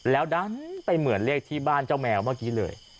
แล้วดันไปเหมือนเลขที่บ้านเจ้าแมวเมื่อกี้เลย